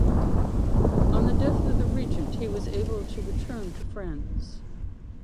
On the death of the Regent he was able to return to France.